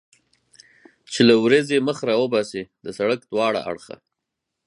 چې له ورېځې خپل مخ را وباسي، د سړک دواړه اړخه.